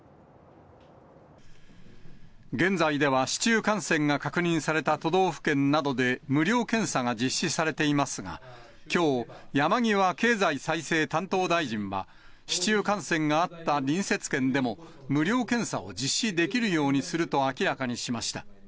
現在では、市中感染が確認された都道府県などで無料検査が実施されていますが、きょう、山際経済再生担当大臣は、市中感染があった隣接県でも、無料検査を実施できるようにすると明らかにしました。